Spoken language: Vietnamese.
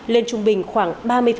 lên trung bình khoảng ba mươi